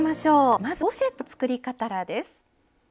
まずはポシェットの作り方からです。